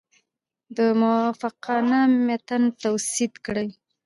د موافقتنامې متن تسوید کړي.